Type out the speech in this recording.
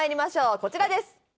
こちらです